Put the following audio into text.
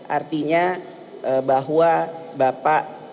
artinya bahwa bapak